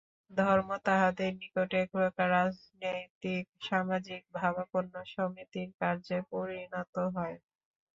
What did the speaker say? ধর্ম তাহাদের নিকট একপ্রকার রাজনীতিক-সামাজিক-ভাবাপন্ন সমিতির কার্যে পরিণত হয়।